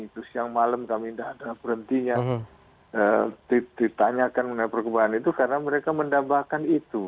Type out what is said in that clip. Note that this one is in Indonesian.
terus siang malam kami tidak ada berhentinya ditanyakan mengenai perkembangan itu karena mereka mendambakan itu